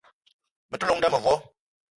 Me te llong n'da mevo.